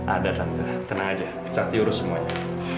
ada tante tenang aja sakti urus semuanya